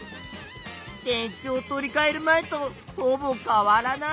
電池を取りかえる前とほぼ変わらない。